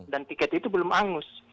dan tiket itu belum angus